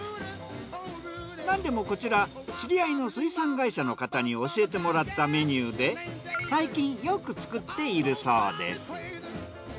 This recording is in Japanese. なんでもこちら知り合いの水産会社の方に教えてもらったメニューで最近よく作っているそうです。